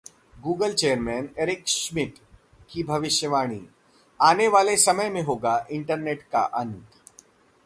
Google chairman Eric Schmidt की भविष्यवाणी, आने वाले समय में होगा इंटरनेट का अंत